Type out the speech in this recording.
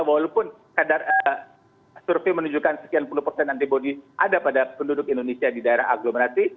walaupun kadar survei menunjukkan sekian puluh persen antibody ada pada penduduk indonesia di daerah aglomerasi